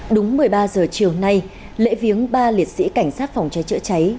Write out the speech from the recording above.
đúng một mươi ba giờ chiều nay lễ viếng ba liệt sĩ cảnh sát phòng cháy chữa cháy